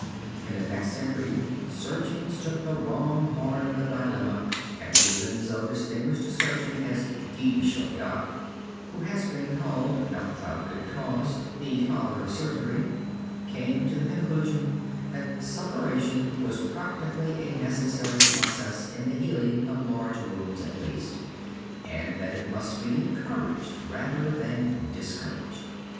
In the next century surgeons took the wrong horn of the dilemma and even so distinguished a surgeon as Guy de Chauliac, who has been called, not without good cause, the father of surgery, came to the conclusion that suppuration was practically a necessary process in the healing of large wounds at least, and that it must be encouraged rather than discouraged.